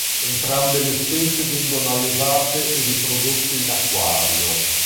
Entrambe le specie vengono allevate e riprodotte in acquario.